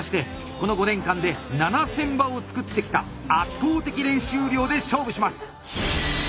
この５年間で７，０００羽も作ってきた圧倒的練習量で勝負します！